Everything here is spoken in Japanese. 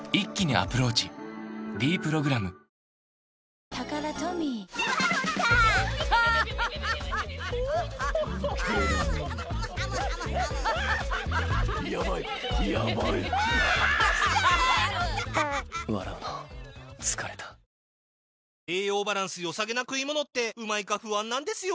「ｄプログラム」栄養バランス良さげな食い物ってうまいか不安なんですよ